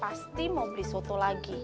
pasti mau beli soto lagi